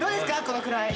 このくらい。